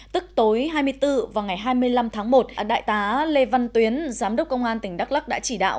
tức tối hai mươi bốn và ngày hai mươi năm tháng một đại tá lê văn tuyến giám đốc công an tỉnh đắk lắc đã chỉ đạo